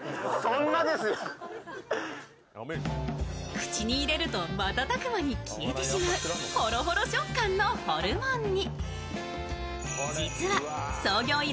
口に入れると瞬く間に消えてしまうほろほろ食感のホルモン煮。